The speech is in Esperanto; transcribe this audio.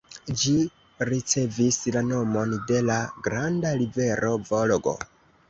Ĝi ricevis la nomon de la granda rivero Volgo.